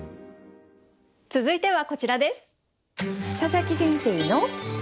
続いてはこちらです。